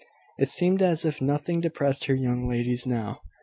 It seemed as if nothing depressed her young ladies now.